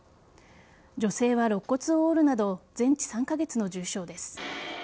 女性は肋骨を折るなど全治３カ月の重傷です。